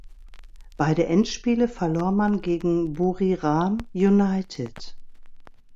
Beide Endspiele verlor man gegen Buriram United.